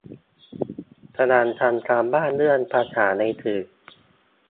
กำลังทำการบ้าน เรื่องภาษาในสื่อ